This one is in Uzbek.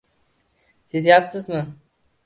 Sezyapsizmi?